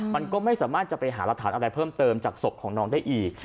มันก็ไม่สามารถจะไปหารักฐานอะไรเพิ่มเติมจากศพของน้องได้อีก